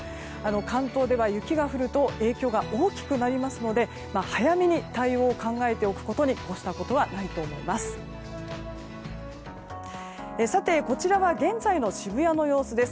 関東では雪が降ると影響が大きくなりますので早めに対応を考えておくことに越したことはないと思います。